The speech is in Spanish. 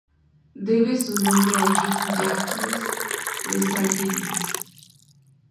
Debe su nombre a Jean-Jacques Dessalines.